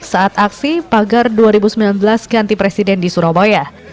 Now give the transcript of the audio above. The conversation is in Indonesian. saat aksi pagar dua ribu sembilan belas ganti presiden di surabaya